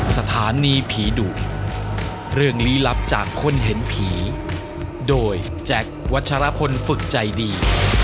สถานีผีดุเรื่องลี้ลับจากคนเห็นผีโดยแจ็ควัชรพลฝึกใจดี